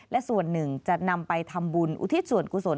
และส่วนหนึ่งจะนำไปทำบุญอุทิศส่วนกุศล